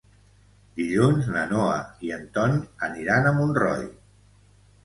Dilluns na Noa i en Ton aniran a Montroi.